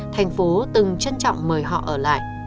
thành phố từng trân trọng mời họ ở lại